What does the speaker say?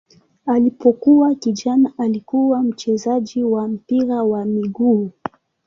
Alipokuwa kijana alikuwa mchezaji wa mpira wa miguu.